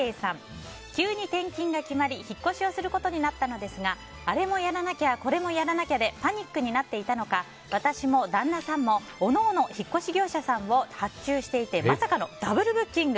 急に転勤が決まり引っ越しをすることになったのですがあれもやらなきゃこれもやらなきゃでパニックになっていたのか私も旦那さんも、おのおの引っ越し業者さんを発注していてまさかのダブルブッキング。